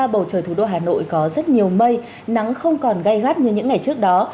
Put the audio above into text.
bầu trời thủ đô hà nội có rất nhiều mây nắng không còn gai gắt như những ngày trước đó